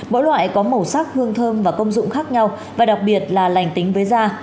mỗi loại có màu sắc hương thơm và công dụng khác nhau và đặc biệt là lành tính với da